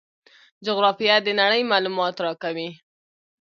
جغرافیه د نړۍ معلومات راکوي.